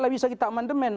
kalau bisa kita aman demen